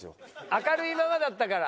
明るいままだったから。